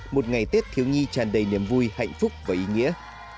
một ngày tết thiếu nhi tràn đầy niềm vui hạnh phúc và ý nghĩa